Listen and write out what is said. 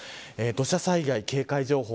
土砂災害警戒情報